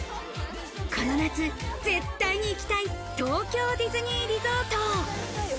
この夏、絶対に行きたい東京ディズニーリゾート。